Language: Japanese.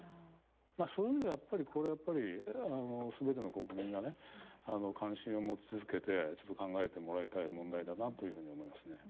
そういう意味では、やっぱりすべての国民が関心を持ち続けてちょっと考えてもらいたい問題だなというふうに思いますね。